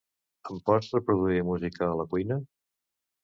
Ens pots reproduir música a la cuina?